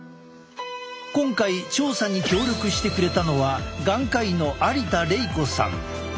今回調査に協力してくれたのは眼科医の有田玲子さん。